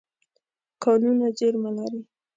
کانونه زیرمه لري.